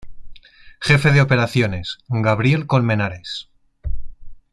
Jefe de Operaciones: Gabriel Colmenares.